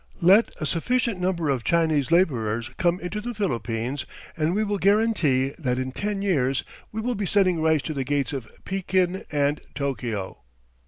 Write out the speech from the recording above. Let a sufficient number of Chinese labourers come into the Philippines and we will guarantee that in ten years we will be sending rice to the gates of Pekin and Tokyo."